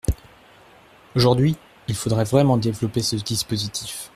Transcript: Aujourd’hui, il faudrait vraiment développer ce dispositif.